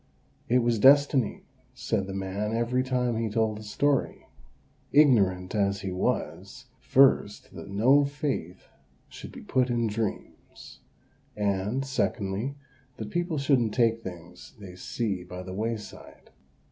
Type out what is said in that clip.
"It was destiny," said the man every time he told the story; ignorant as he was, first, that no faith should be put in dreams; and, secondly, that people shouldn't take things they see by the wayside.